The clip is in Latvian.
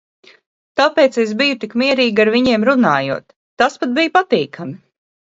Tāpēc es biju tik mierīga, ar viņiem runājot. tas pat bija patīkami.